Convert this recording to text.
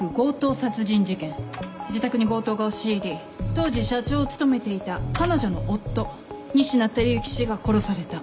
自宅に強盗が押し入り当時社長を務めていた彼女の夫仁科輝幸氏が殺された。